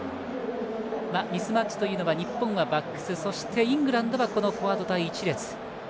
ミスマッチというのは日本はバックスそしてイングランドはフォワード第１列。